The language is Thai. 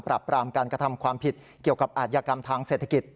ปรามการกระทำความผิดเกี่ยวกับอาชญากรรมทางเศรษฐกิจ